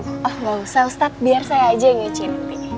oh nggak usah ustaz biar saya aja yang nyuci